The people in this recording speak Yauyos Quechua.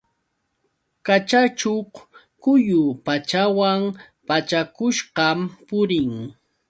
Kachakuq quyu pachawan pachakushqam purin.